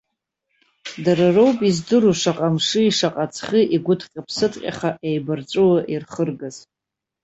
Дара роуп издыруа шаҟа мши шаҟа ҵхи игәыҭҟьа-ԥсыҭҟьаха, еибарҵәыуо ирхыргаз.